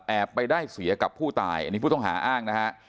ไปได้เสียกับผู้ตายอันนี้ผู้ต้องหาอ้างนะฮะ